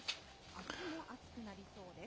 あすも暑くなりそうです。